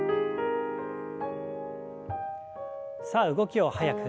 さあ動きを早く。